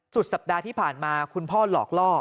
สัปดาห์ที่ผ่านมาคุณพ่อหลอกล่อ